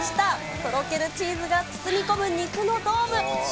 とろけるチーズが包み込む肉のドーム。